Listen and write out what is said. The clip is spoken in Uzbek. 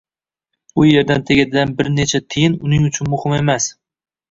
U yerdan tegadigan bir necha tiyin uning uchun muhim emas.